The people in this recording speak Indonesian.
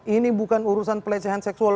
ini bukan urusan pelecehan seksual